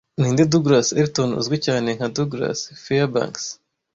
Ninde Douglas Elton uzwi cyane nka Douglas Fairbanks